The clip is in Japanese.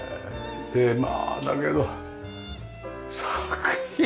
まあだけど作品が。